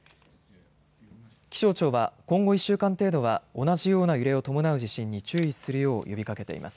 気象庁は今後１週間程度は同じような揺れを伴う地震に注意するよう呼びかけています。